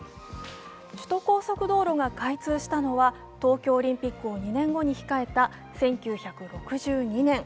首都高速道路が開通したのは東京オリンピックを２年後に控えた１９６２年。